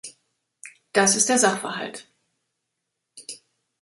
Das ist der Sachverhalt.